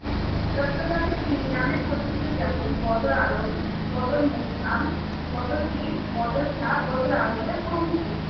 চট্টগ্রামে তিনি বিভিন্ন নামে পরিচিত যেমন- বদর আলম, বদর মোকাম, বদর পীর, বদর শাহ, বদর আউলিয়া প্রভৃতি।